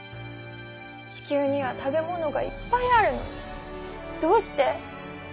地球には食べ物がいっぱいあるのにどうして？